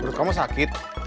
menurut kamu sakit